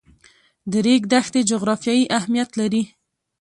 د ریګ دښتې جغرافیایي اهمیت لري.